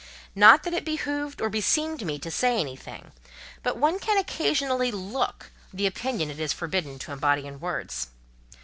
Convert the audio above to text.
Not that it behoved or beseemed me to say anything: but one can occasionally look the opinion it is forbidden to embody in words.